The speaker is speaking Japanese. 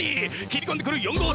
切り込んでくる４号艇！